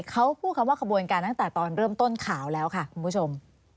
เขาพูดคำว่าขบวนการตั้งแต่ตอนเริ่มต้นข่าวแล้วค่ะคุณผู้ชม